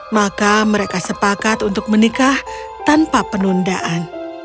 maka mereka sepakat untuk menikah tanpa penundaan